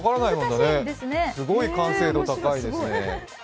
すごい完成度高いですね。